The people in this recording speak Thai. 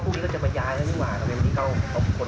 ผมไม่ได้บอกเลยพี่ว่าเจ้าจะปอม